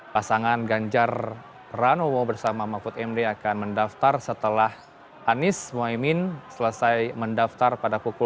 pasangan ganjar pranowo bersama mahfud md akan mendaftar setelah anies mohaimin selesai mendaftar pada pukul